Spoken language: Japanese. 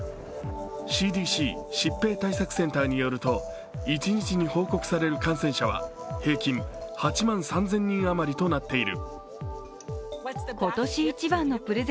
ＣＤＣ＝疾病対策センターによると、一日に報告される感染者は平均８万３０００人余りとなっている。